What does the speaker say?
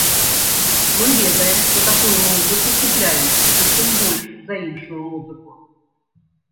Мы ведаем, што такую музыку купляюць, прычым больш за іншую музыку.